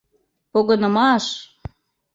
— «Погынымаш!»